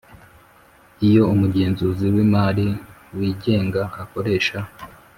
Iyo umugenzuzi w imari wigenga akoresha